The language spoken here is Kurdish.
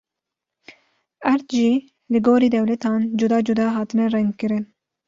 Erd jî li gorî dewletan cuda cuda hatine rengkirin.